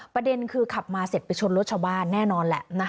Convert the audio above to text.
ประเด็นคือขับมาเสร็จไปชนรถชาวบ้านแน่นอนแหละ